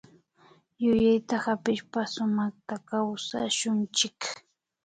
Yuyayta hapishpa sumakta kawsashunchik